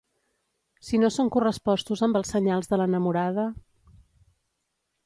Si no són correspostos amb els senyals de l’enamorada...